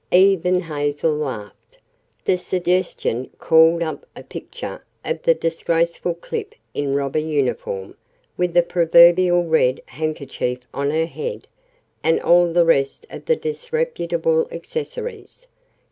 Even Hazel laughed. The suggestion called up a picture of the disgraceful Clip in robber uniform, with the proverbial red handkerchief on her head, and all the rest of the disreputable accessories.